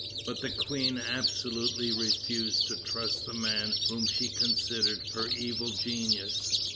But the Queen absolutely refused to trust the man whom she considered her evil genius.